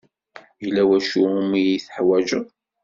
Yella wacu umi iyi-teḥwajeḍ?